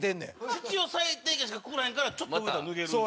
必要最低限しかくくらへんからちょっと動いたら脱げる。